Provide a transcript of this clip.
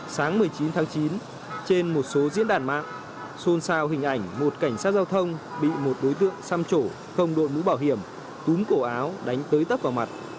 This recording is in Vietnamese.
sáng một mươi chín tháng chín trên một số diễn đàn mạng xôn xao hình ảnh một cảnh sát giao thông bị một đối tượng xăm trổ không đội mũ bảo hiểm cúm cổ áo đánh tới tấp vào mặt